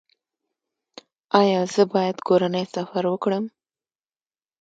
ایا زه باید کورنی سفر وکړم؟